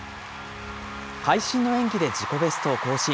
会心の演技で自己ベストを更新。